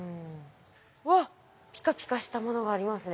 わっピカピカしたものがありますね。